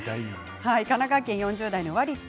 神奈川県４０代の方です。